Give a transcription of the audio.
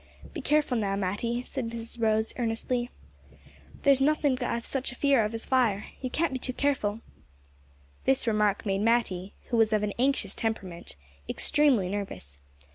"Be careful now, Matty," said Mrs Rose earnestly. "There's nothink I've such a fear of as fire. You can't be too careful." This remark made Matty, who was of an anxious temperament, extremely nervous.